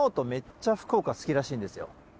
めっちゃ福岡好きらしいんですよ。